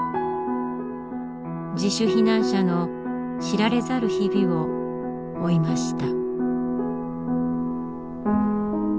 自主避難者の知られざる日々を追いました。